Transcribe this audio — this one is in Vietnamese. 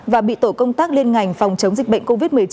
và bị tổ công tác liên ngành phòng chống dịch bệnh covid một mươi chín